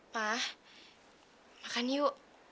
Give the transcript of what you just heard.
ma makan yuk